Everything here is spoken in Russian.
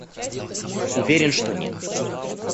Уверен, что нет.